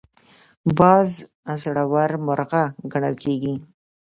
باز زړور مرغه ګڼل کېږي